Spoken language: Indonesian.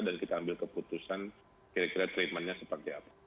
dan kita ambil keputusan kira kira treatmentnya seperti apa